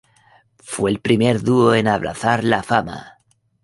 Fue el primer dúo en abrazar la fama.